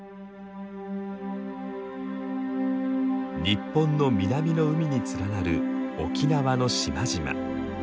日本の南の海に連なる沖縄の島々。